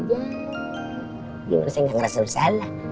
ya gimana saya enggak ngerasa bersalah